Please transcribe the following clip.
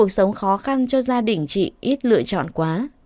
cuộc sống khó khăn cho gia đình chị ít lựa chọn quá